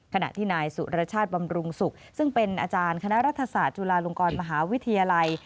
ขณะที่นายสุรชาติบำรุงศุกร์ซึ่งเป็นอาจารย์คณะรัฐศาสตร์จุฬาลงกรมหาวิทยาลัย